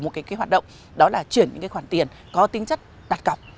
một cái hoạt động đó là chuyển những khoản tiền có tính chất đặt cọc